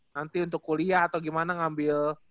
nanti untuk kuliah atau gimana ngambil